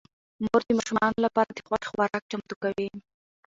مور د ماشومانو لپاره د خوښې خوراک چمتو کوي